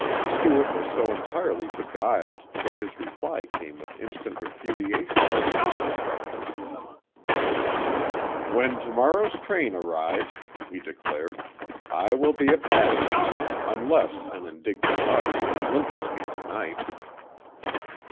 Stuart was so entirely beguiled that his reply came with instant repudiation of such a construction. "When to morrow's train arrives," he declared, "I will be a passenger, unless an indignant audience lynches me to night."